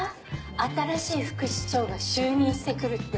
新しい副市長が就任してくるって。